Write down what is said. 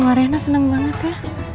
marena senang banget ya